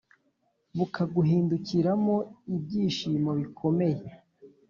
bukaguhindukiramo ibyishimobikomeye